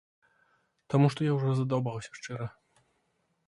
Таму што я ўжо задалбаўся, шчыра!